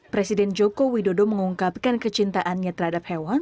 presiden joko widodo mengungkapkan kecintaannya terhadap hewan